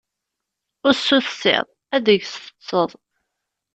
Usu tessiḍ, ad deg-s teṭṭseḍ.